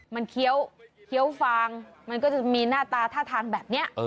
มันเคี้ยวฟางมันก็จะมีหน้าตาท่าทางแบบนี้